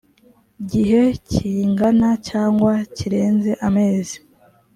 gihe kingana cyangwa kirenze amezi